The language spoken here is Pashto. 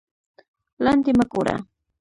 لاندې مه گوره